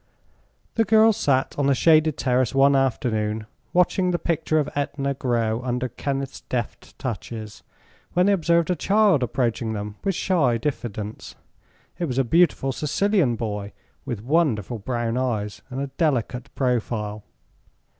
The girls sat on the shaded terrace one afternoon, watching the picture of Etna grow under Kenneth's deft touches, when they observed a child approaching them with shy diffidence. It was a beautiful Sicilian boy, with wonderful brown eyes and a delicate profile.